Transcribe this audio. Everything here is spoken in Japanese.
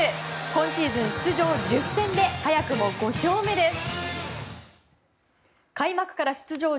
今シーズン出場１０戦で早くも５勝目です。